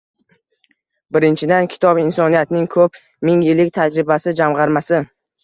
Birinchidan, kitob insoniyatning ko‘p ming yillik tajribasi jamg‘armasi;